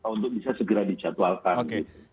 untuk bisa segera dijadwalkan